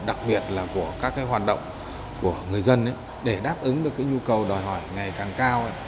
đặc biệt là của các hoạt động của người dân để đáp ứng được cái nhu cầu đòi hỏi ngày càng cao